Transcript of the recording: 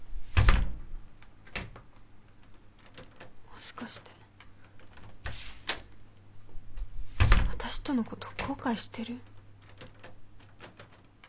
もしかして私とのこと後悔してる？